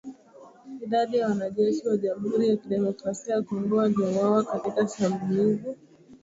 Idadi ya wanajeshi wa Jamuhuri ya Kidemokrasia ya Kongo waliouawa katika shambulizi dhidi ya kambi zao haijajulikana